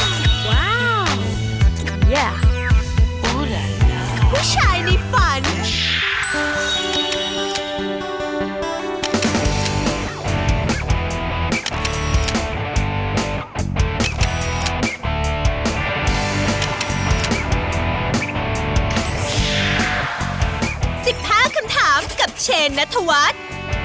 สิบห้าคำถามกับเชนนัทวัฒน์